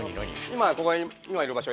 今ここら辺に今いる場所